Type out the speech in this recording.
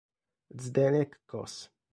Zdeněk Kos